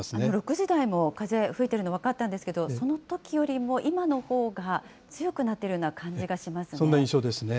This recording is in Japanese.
６時台も、風、吹いているの分かったんですけど、そのときよりも今のほうが強くなってるような感じがしますね。